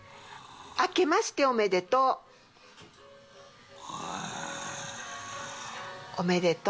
明けましておめでとう。